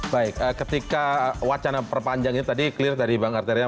baik ketika wacana perpanjang ini tadi clear dari bang arteria